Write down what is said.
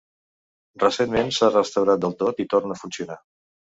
Recentment, s'ha restaurat del tot i torna a funcionar.